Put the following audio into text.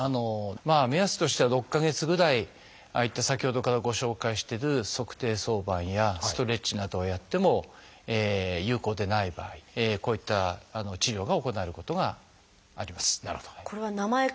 目安としては６か月ぐらいああいった先ほどからご紹介してる足底挿板やストレッチなどをやっても有効でない場合こういった治療が行われることがあります。